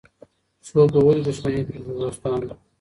څوک به ولي دښمني کړي د دوستانو